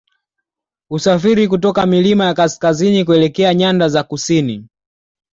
Husafiri kutoka milima ya kaskazini kuelekea nyanda za kusini